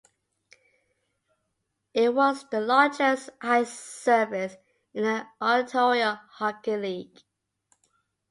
It was the largest ice surface in the Ontario Hockey League.